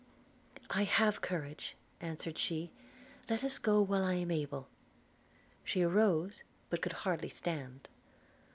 'I have courage,' answered she; 'let us go while I am able.' She arose, but could hardly stand.